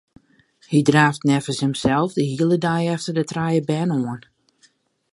Hy draaft neffens himsels de hiele dei efter de trije bern oan.